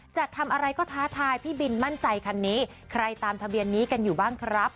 จะทำอะไรก็ท้าทายพี่บินมั่นใจคันนี้ใครตามทะเบียนนี้กันอยู่บ้างครับ